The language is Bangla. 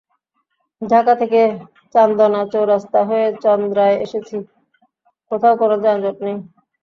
ঢাকা থেকে চান্দনা চৌরাস্তা হয়ে চন্দ্রায় এসেছি, কোথাও কোনো যানজট নেই।